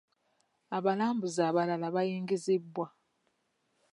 Abalambuza abalala baayingizibwa.